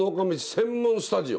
専門スタジオ。